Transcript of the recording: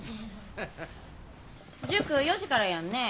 塾４時からやんね？